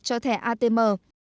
cho thẻ atm